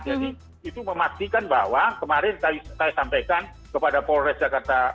jadi itu memastikan bahwa kemarin saya sampaikan kepada polres jakarta